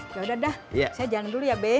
ya udah dah saya jalan dulu ya be